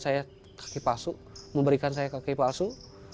sama saja memberikan saya kaki palsu